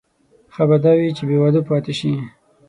ښه به دا وي چې بې واده پاتې شي.